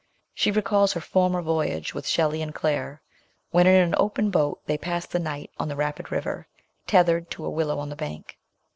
She recalls her former voyage with Shelley and Claire, when in an open boat they passed the night on the rapid river, " tethered " to a willow on the bank.